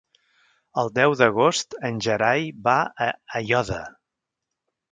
El deu d'agost en Gerai va a Aiòder.